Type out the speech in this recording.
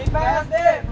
ini pes nadi